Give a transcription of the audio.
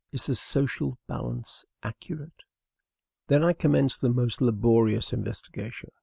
is the social balance accurate?" Then I commenced a most laborious investigation.